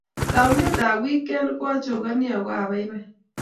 taunet ab wikend ko achokani ako abaibai